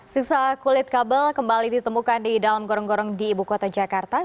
sisa kulit kabel kembali ditemukan di dalam gorong gorong di ibu kota jakarta